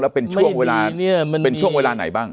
แล้วเป็นช่วงเวลาไหนบ้าง